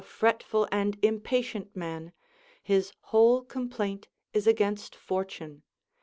175 fretful and impatient man, his whole complaint is against Fortune.